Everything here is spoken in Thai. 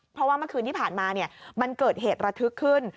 เพราะว่าเมื่อคืนที่ผ่านมามันเกิดเหตุระทึกขึ้น